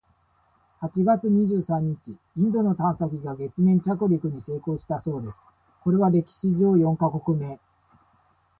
八月二十三日、インドの探査機が月面着陸に成功したそうです！（これは歴史上四カ国目！）